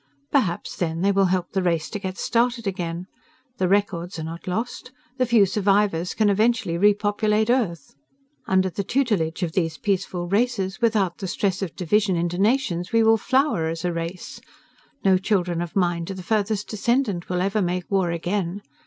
Perhaps then they will help the race to get started again. The records are not lost. The few survivors can eventually repopulate Earth. Under the tutelage of these peaceable races, without the stress of division into nations, we will flower as a race. No children of mine to the furthest descendant will ever make war again.